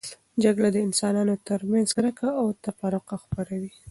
جګړه د انسانانو ترمنځ کرکه او تفرقه خپروي.